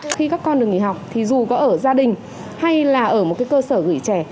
khi các con được nghỉ học thì dù có ở gia đình hay là ở một cái cơ sở gửi trẻ